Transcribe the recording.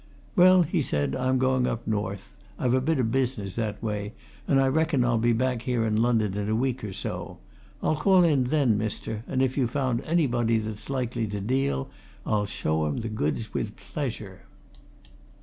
"Well," he said, "I'm going up North I've a bit o' business that way, and I reckon I'll be back here in London in a week or so I'll call in then, mister, and if you've found anybody that's likely to deal, I'll show 'em the goods with pleasure."